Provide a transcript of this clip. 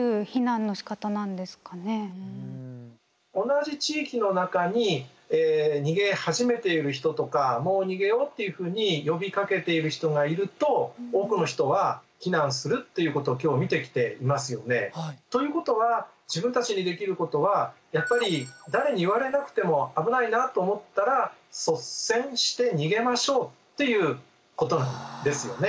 同じ地域の中に逃げ始めている人とかもう逃げようっていうふうに呼びかけている人がいると多くの人は避難するということを今日見てきていますよね。ということは自分たちにできることはやっぱり誰に言われなくても危ないなと思ったら率先して逃げましょうということなんですよね。